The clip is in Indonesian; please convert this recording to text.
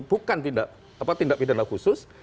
bukan tindak pidana khusus